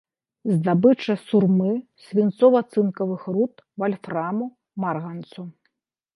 Здабыча сурмы, свінцова-цынкавых руд, вальфраму, марганцу.